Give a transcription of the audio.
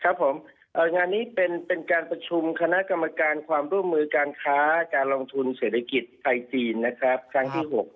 ครับผมงานนี้เป็นการประชุมคณะกรรมการความร่วมมือการค้าการลงทุนเศรษฐกิจไทยจีนนะครับครั้งที่๖